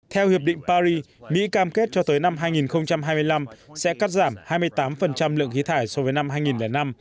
theo hiệp định paris mỹ cam kết cho tới năm hai nghìn hai mươi năm sẽ cắt giảm hai mươi tám lượng khí thải so với năm hai nghìn năm